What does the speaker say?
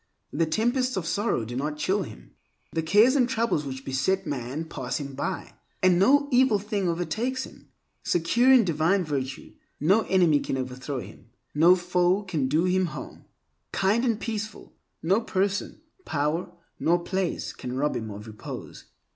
The tempests of sorrow do not chill him. The cares and troubles which beset man pass him by, and no evil thing overtakes him. Secure in divine virtue, no enemy can overthrow him; no foe can do harm. Kind and peaceful, no person, power, nor place can rob him of repose.